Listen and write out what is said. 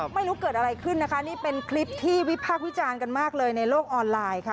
ไม่รู้เกิดอะไรขึ้นนะคะนี่เป็นคลิปที่วิพากษ์วิจารณ์กันมากเลยในโลกออนไลน์ค่ะ